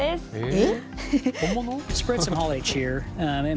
えっ？